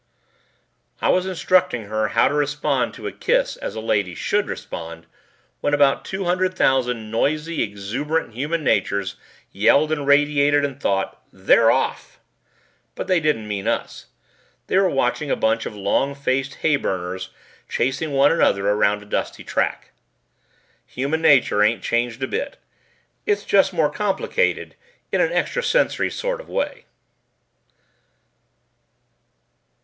I was instructing her how to respond to a kiss as a lady should respond when about two hundred thousand noisy, exuberant human natures yelled and radiated and thought: "They're Off!" But they didn't mean us. They were watching a bunch of long faced hayburners chasing one another around a dusty track. Human nature ain't changed a bit. It's just more complicated in an extrasensory sort of way.